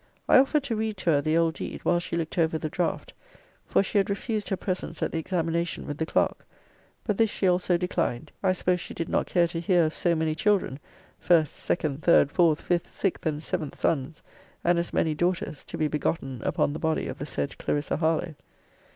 I offered to read to her the old deed, while she looked over the draught; for she had refused her presence at the examination with the clerk: but this she also declined. I suppose she did not care to hear of so many children, first, second, third, fourth, fifth, sixth, and seventh sons, and as many daughters, to be begotten upon the body of the said Clarissa Harlowe.